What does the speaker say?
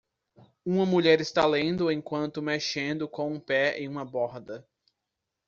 Uma mulher está lendo enquanto mexendo com o pé em uma borda.